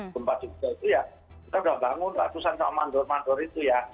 gempa juga itu ya kita sudah bangun ratusan sama mandor mandor itu ya